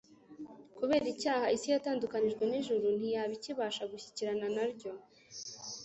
Kubera icyaha isi yatandukanijwe n'ijuru ntiyaba ikibasha gushyikirana na ryo;